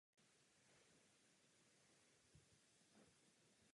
Následuje po čísle čtyři sta devadesát sedm a předchází číslu čtyři sta devadesát devět.